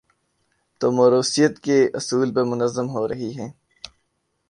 تو موروثیت کے اصول پر منظم ہو رہی ہیں۔